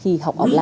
khi học online